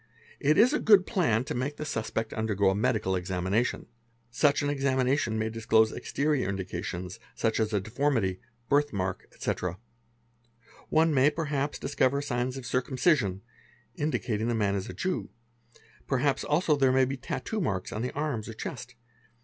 It is a good plan to make the suspect _ undergo a medical examination; such an examination may disclose exterior indications, as a deformity, birth mark, etc.; one may perhap discover signs of circumcision, indicating that the man isa Jew; perhaps also there may be tattoo marks on the arms or chest.